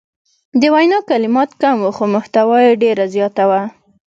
د وینا کلمات کم وو خو محتوا یې ډیره زیاته وه.